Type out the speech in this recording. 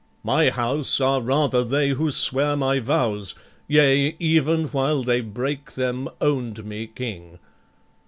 My house are rather they who sware my vows, Yea, even while they brake them, own'd me King.